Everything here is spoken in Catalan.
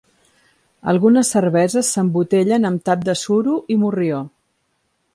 Algunes cerveses s'embotellen amb tap de suro i morrió.